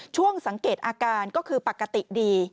ช่วงสังเกตอาการก็คือปกติดี